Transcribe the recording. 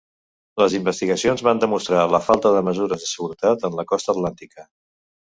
Les investigacions van demostrar la falta de mesures de seguretat en la costa atlàntica.